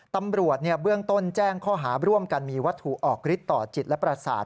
ตำรวจเบื้องต้นแจ้งข้อหาร่วมกันมีวัตถุออกฤทธิต่อจิตและประสาท